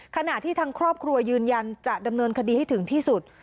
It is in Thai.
ขณะที่ทางครอบครัวยืนยันจะดำเนินคดีให้ถึงที่สุด